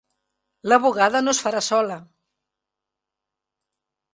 La bugada no es farà sola.